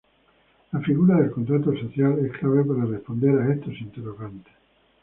La figura del contrato social es clave para responder a estos interrogantes.